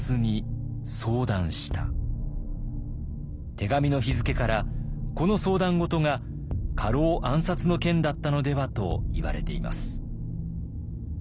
手紙の日付からこの相談事が家老暗殺の件だったのではといわれています。